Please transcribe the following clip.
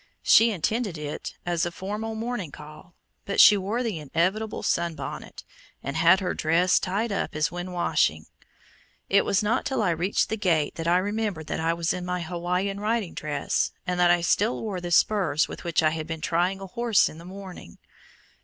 She intended it as a formal morning call, but she wore the inevitable sun bonnet, and had her dress tied up as when washing. It was not till I reached the gate that I remembered that I was in my Hawaiian riding dress, and that I still wore the spurs with which I had been trying a horse in the morning!